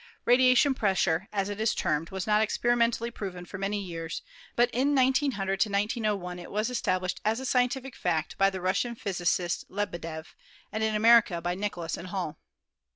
"Radiation pressure," as it is termed, was not experimentally proven for many years, but in 1900 1901 it was established as a scientific fact by the Russian phys icist Lebedev and in America by Nichols and Hull.